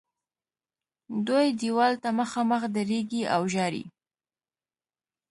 دوی دیوال ته مخامخ درېږي او ژاړي.